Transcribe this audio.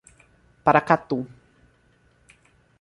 Paracatu